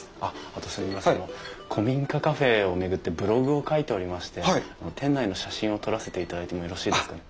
あの古民家カフェを巡ってブログを書いておりまして店内の写真を撮らせていただいてもよろしいですかね？